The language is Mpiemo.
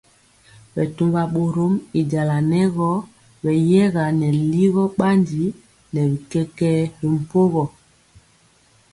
Bɛtɔmba bɔrɔm y jala nɛ gɔ beyɛga nɛ ligɔ bandi nɛ bi kɛkɛɛ ri mpogɔ.